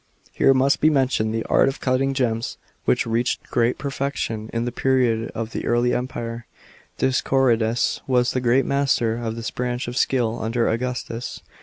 Heie must be mentioned the art of cutting gems, which reached great periection in the period of the early Empire. Dioscorides was the great master of this branch of skill under Augustus.